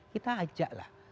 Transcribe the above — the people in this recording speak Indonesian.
kita ajak lah